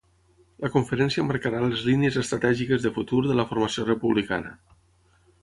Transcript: La conferència marcarà les línies estratègiques de futur de la formació republicana.